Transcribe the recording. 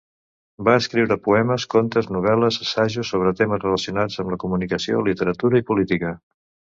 Va escriure poemes, contes, novel·les, assajos sobre temes relacionats amb la comunicació, literatura i política.